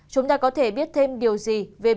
chúng ta có thể biết thêm điều gì về biến thể omicron